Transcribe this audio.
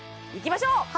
いきましょう！